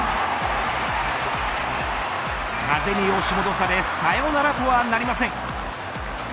風に押し戻されサヨナラとはなりません。